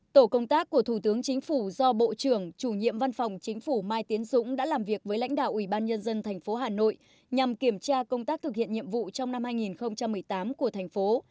tổ công tác của thủ tướng chính phủ do bộ trưởng chủ nhiệm văn phòng chính phủ mai tiến dũng đã làm việc với lãnh đạo ủy ban nhân dân thành phố hà nội nhằm kiểm tra công tác thực hiện nhiệm vụ trong năm hai nghìn một mươi tám của thành phố